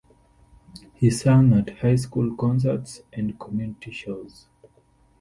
He sang at high school concerts and community shows.